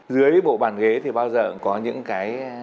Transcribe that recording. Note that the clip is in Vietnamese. dưới bộ bàn ghế thì bao giờ cũng có những cái